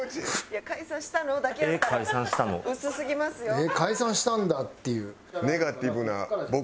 ええー解散したんだっていう。